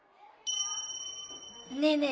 ねえねえ